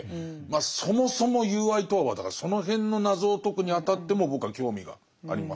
そもそも友愛とはだからその辺の謎を解くにあたっても僕は興味があります。